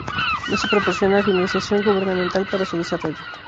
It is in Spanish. No se proporciona financiación gubernamental para su desarrollo.